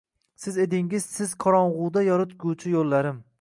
Siz ediz siz qoronguda yoritguvchi yullarim